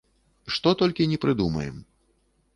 Што толькі не прыдумаем.